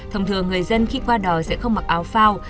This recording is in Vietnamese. thông thường người dân khi qua đò sẽ không mặc áo phao